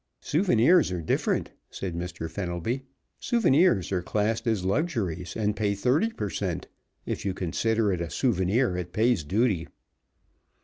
"Souvenirs are different," said Mr. Fenelby. "Souvenirs are classed as luxuries, and pay thirty per cent. If you consider it a souvenir it pays duty."